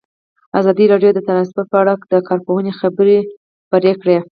ازادي راډیو د ترانسپورټ په اړه د کارپوهانو خبرې خپرې کړي.